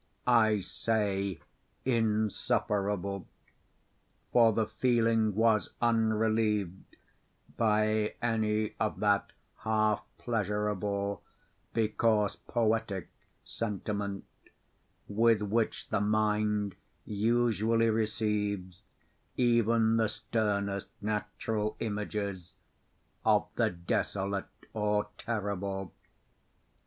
I say insufferable; for the feeling was unrelieved by any of that half pleasurable, because poetic, sentiment, with which the mind usually receives even the sternest natural images of the desolate or terrible.